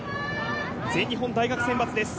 全日本大学選抜です。